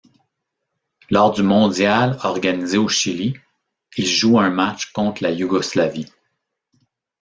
Lors du mondial organisé au Chili, il joue un match contre la Yougoslavie.